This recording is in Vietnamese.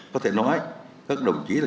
có thể nói các đồng chí là chỗ dựa